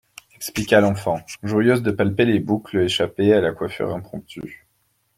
Expliqua l'enfant, joyeuse de palper les boucles échappées à la coiffure impromptue.